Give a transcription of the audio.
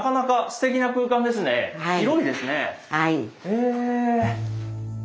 へえ！